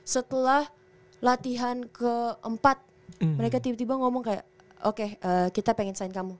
setelah latihan keempat mereka tiba tiba ngomong kayak oke kita pengen sign kamu